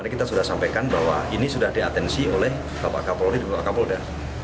kita sudah sampaikan bahwa ini sudah diatensi oleh bapak kapolri dan bapak kapolda